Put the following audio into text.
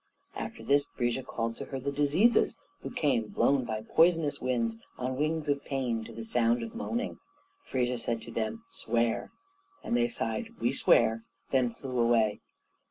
After this Frigga called to her the diseases, who came blown by poisonous winds on wings of pain to the sound of moaning. Frigga said to them, "Swear"; and they sighed, "We swear," then flew away.